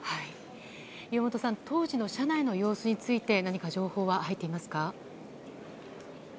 岩本さん、当時の車内の様子について何か情報は入っていますか？